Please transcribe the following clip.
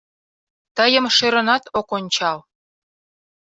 Тыйым шӧрынат ок ончал.